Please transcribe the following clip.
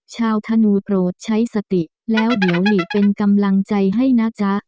ธนูโปรดใช้สติแล้วเดี๋ยวหลีเป็นกำลังใจให้นะจ๊ะ